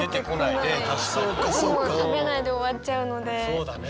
そうだね。